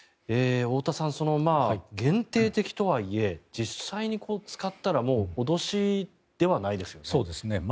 太田さん、限定的とはいえ実際に使ったらもう脅しではないですよね。